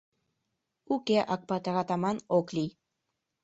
Уке, Акпатыр-атаман, ок лий.